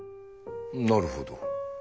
なるほど。